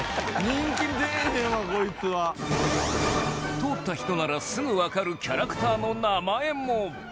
通った人ならすぐわかるキャラクターの名前も